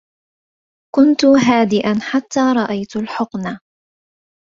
كنت هادئا حتى رأيت الحقنةَ